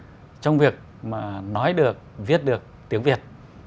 sẽ rất khó khăn trong việc mà nói được viết được tiếng việt